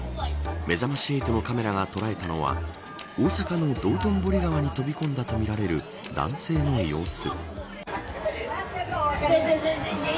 めざまし８のカメラがとらえたのは大阪の道頓堀川に飛び込んだとみられる男性の様子。